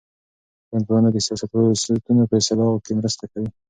ټولنپوهنه د سیاستونو په اصلاح کې مرسته کوي.